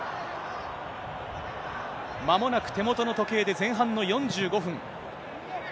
まもなく手元の時計で、前半の４５分。